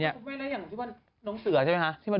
คุณแม่แล้วอย่างที่ว่าน้องเสือใช่ไหมคะ